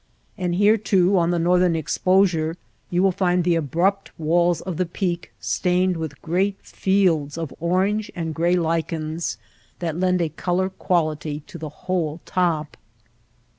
And here, too, on the northern exposure you will find the abrupt walls of the peak stained with great fields of orange and gray lichens that lend a color quality to the whole top.